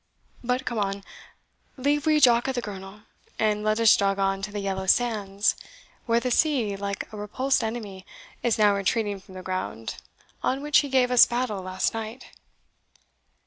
But come on leave we Jock o' the Girnel, and let us jog on to the yellow sands, where the sea, like a repulsed enemy, is now retreating from the ground on which he gave us battle last night."